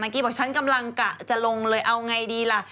มากกี้บอกว่าฉันกำลังจะลงเลยเอายังไงดีล่ะ